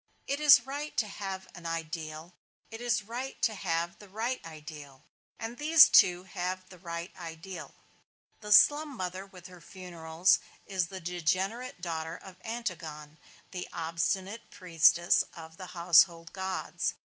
It is right to have an ideal, it is right to have the right ideal, and these two have the right ideal. The slum mother with her funerals is the degenerate daughter of Antigone, the obstinate priestess of the household gods.